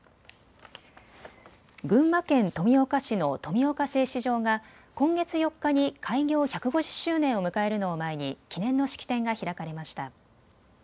群馬県富岡市の富岡製糸場が今月４日に開業１５０周年を迎えるのを前に記念の式典が開かれました。